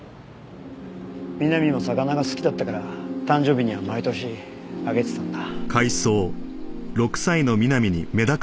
美波も魚が好きだったから誕生日には毎年あげてたんだ。